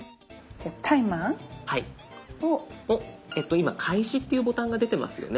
今「開始」っていうボタンが出てますよね。